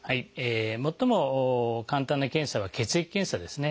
最も簡単な検査は血液検査ですね。